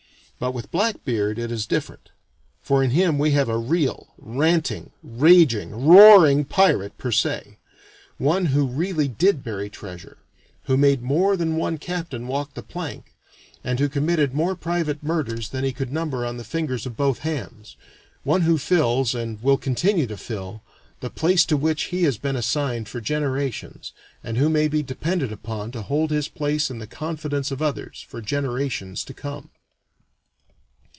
But with "Blackbeard" it is different, for in him we have a real, ranting, raging, roaring pirate per se one who really did bury treasure, who made more than one captain walk the plank, and who committed more private murders than he could number on the fingers of both hands; one who fills, and will continue to fill, the place to which he has been assigned for generations, and who may be depended upon to hold his place in the confidence of others for generations to come.